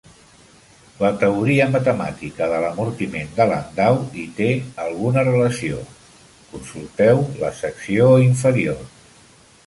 La teoria matemàtica de l'amortiment de Landau hi té alguna relació; consulteu la secció inferior.